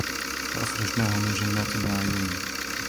فَأَخْرَجْنَاهُمْ مِنْ جَنَّاتٍ وَعُيُونٍ